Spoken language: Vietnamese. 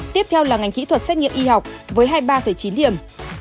tiếp theo là ngành kỹ thuật xét nghiệm y học với hai mươi ba chín điểm